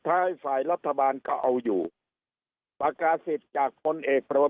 ท้ายฝ่ายรัฐบาลก็เอาอยู่ประกาศิษย์จากพลเอกประด